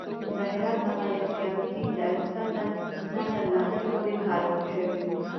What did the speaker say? د هرات د قلعه اختیارالدین د الکسندر نه تر نادر پورې کارول شوې